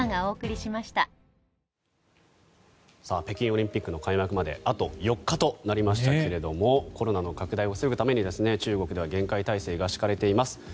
北京オリンピックの開幕まであと４日となりましたけれどもコロナの拡大を防ぐために中国では厳戒態勢が敷かれています。